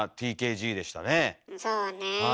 そうねえ。